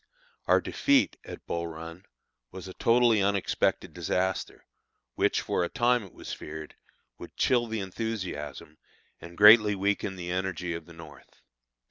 Our defeat at Bull Run was a totally unexpected disaster, which, for a time, it was feared, would chill the enthusiasm and greatly weaken the energy of the North.